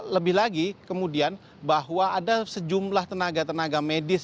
lebih lagi kemudian bahwa ada sejumlah tenaga tenaga medis